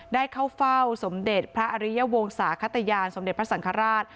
ได้เข้าเฝ้าสมเด็จพระอริยวงศาขตยานสมเด็จพระสังฆราช